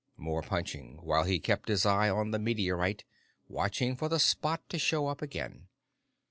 More punching, while he kept his eye on the meteorite, waiting for the spot to show up again.